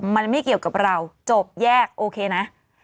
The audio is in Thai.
มันไม่เกี่ยวกับเราจบแยกโอเคนะ